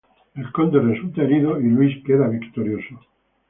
El conde resulta herido y Luis queda victorioso.